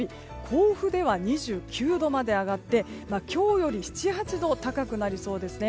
甲府では２９度まで上がって今日より７８度高くなりそうです。